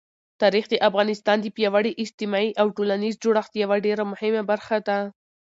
تاریخ د افغانستان د پیاوړي اجتماعي او ټولنیز جوړښت یوه ډېره مهمه برخه ده.